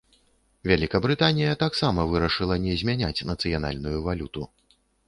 Вялікабрытанія таксама вырашыла не замяняць нацыянальную валюту.